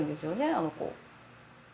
あの子。